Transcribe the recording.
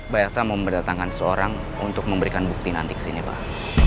mbak elsa mau mendatangkan seorang untuk memberikan bukti nanti ke sini pak